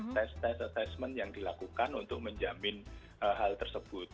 test test attesment yang dilakukan untuk menjamin hal tersebut